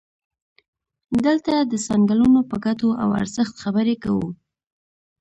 دلته د څنګلونو په ګټو او ارزښت خبرې کوو.